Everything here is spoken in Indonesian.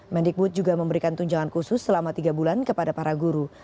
mendikbud juga memberikan tunjangan khusus selama tiga bulan kepada para guru